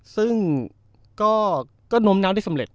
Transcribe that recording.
ซึ่งก็น้มน้าวได้สำเร็